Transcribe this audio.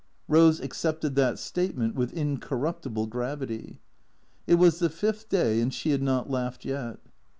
• Eose accepted that statement with incorruptible gravity. It was the fifth day, and she had not laughed yet.